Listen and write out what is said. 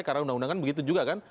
karena undang undang begitu juga kan